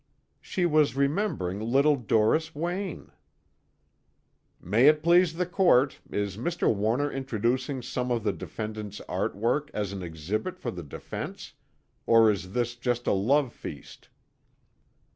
"She was remembering little Doris Wayne." "May it please the Court, is Mr. Warner introducing some of the defendant's art work as an exhibit for the defense, or is this just a love feast?"